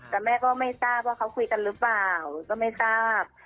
แต่แม่ก็ไม่ทราบว่าเขาคุยกันหรือเปล่าก็ไม่ทราบ